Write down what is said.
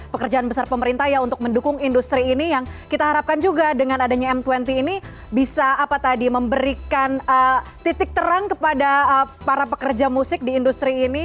pekerjaan besar pemerintah ya untuk mendukung industri ini yang kita harapkan juga dengan adanya m dua puluh ini bisa apa tadi memberikan titik terang kepada para pekerja musik di industri ini